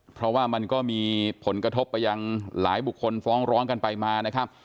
เพราะว่ามันก็มีผลกระทบไปยังหลายบุคคลฟ้องร้องกันไปมานะครับ